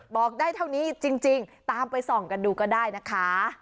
บอกได้เท่านี้จริงตามไปส่องกันดูก็ได้นะคะ